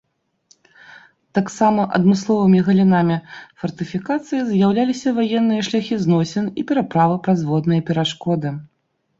Таксама адмысловымі галінамі фартыфікацыі з'яўляліся ваенныя шляхі зносін і пераправы праз водныя перашкоды.